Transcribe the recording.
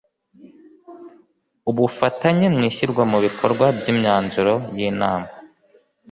ubufatanye mu ishyirwa mu bikorwa by’imyanzuro y’Inama